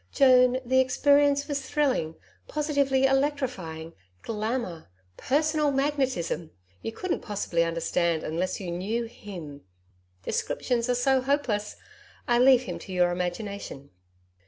Joan, the experience was thrilling, positively electrifying Glamour personal magnetism.... You couldn't possibly understand unless you knew HIM. Descriptions are so hopeless. I'll leave him to your imagination.